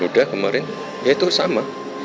sudah kemarin ya itu sama